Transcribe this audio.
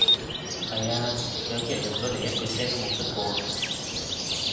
係呀，有啲人入咗嚟一句聲都冇出過